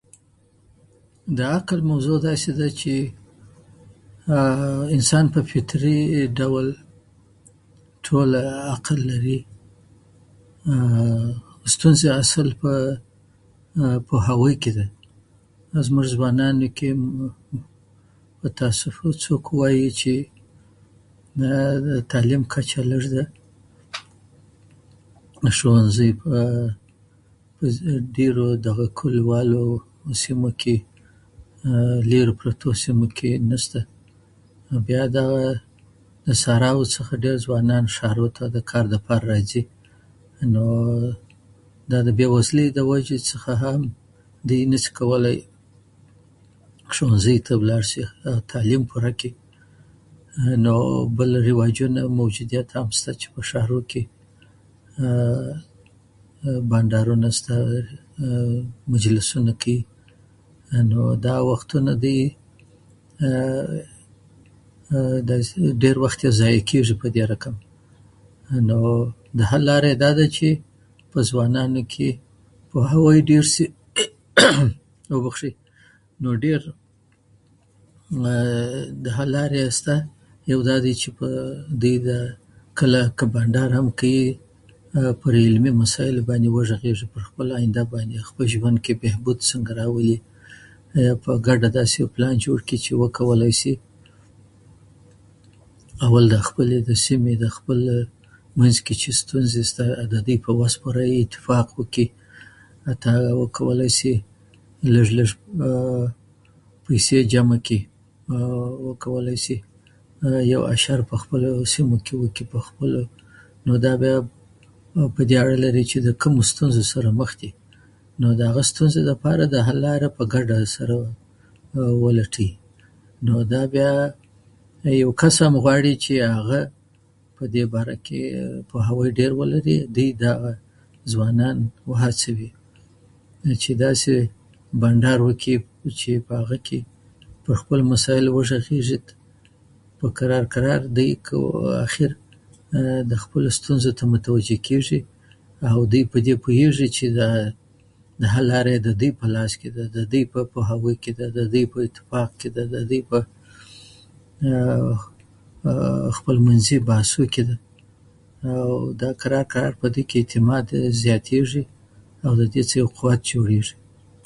د عقل موضوع داسي ده چې انسان يه فطري ډول ټول عقل لري ستونزه اصل په هغوی کې ده زموږ ځوانانو کې په تأسف څوک وايي چې تعلیم کچه لږ ده ښوونځي په کلیوالو سیمو کې لیري پرتو سيمو کې نسته نو بیا ددغو ساراوو څخه ډیر ځوانان ښارو ته د کار لپاره راځي نو دادې بیوزلی څخه هم دوی نشي کولای ښوونځيو ته لاړ شي او تعلیم پوره کړي نو بل د رواجونو موجودیت هم شته چې په ښارو کې بنډارونه شته او مجلسونه کوي نو دا وختونه دوی ډير وخت يې ضایع کیږي په دې رقم نو د حل لاره یې داده چې په ځوانانو کې پوهاوی ډیر شي نو ډیر د حل لاره يې شته داده چې کله دوی په بنډار هم کوي په علمي مسایلو وغږېږي په خپله آینده په خپل ژوند کې بهبود څنکه راولي په کډه داسي پلان جوړ کړي چې وکولای شي اول دا د خپلې د سيمې دا خپل مينځ کې چې ستونزې شته که ددوی په وس پوره وي اتفاق وکړي که وکولای شي لږ لږ پيسي جمع کړي که وکولای شي یو اشر په خپله سیمه وکړي نو دا بیا په دې اړه لري د کومو ستونزو سره مخ دي نو د هغه ستونزه لپاره د حل لاره په کډه سره ولټوي نو دا بیا یو کس هم غواړي چې بیا یو کس هم غواړي چې هغه په دې باره کې پوهاوی هم ډېر ولري نو دوی دغه ځوانان وهڅوي نو چې داسي بنډار وکړي په هغه کې په خپلو مسایلو وغږېږي په کرار کرار دوی اخر خپلو ستونزو ته متوجه شي او دوی په دې پوهیږي چې دا د حل لاره یې ددوی په لاس کې ده ددوی په پوهاوی کې ده ددوی په اتفاق کې ده خپل منځي بحثو کې ده او دا کرار کرار په دوی کې اعتماد زیاتیږي او ددې څخه یو قوت جوړيږي